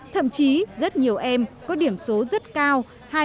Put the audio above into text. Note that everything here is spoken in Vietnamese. thậm chí rất nhiều em có điểm số rất cao